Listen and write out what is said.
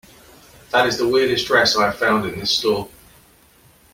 That is the weirdest dress I have found in this store.